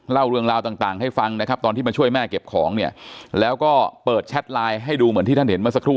เล่าเรื่องราวต่างให้ฟังนะครับตอนที่มาช่วยแม่เก็บของเนี่ยแล้วก็เปิดแชทไลน์ให้ดูเหมือนที่ท่านเห็นเมื่อสักครู่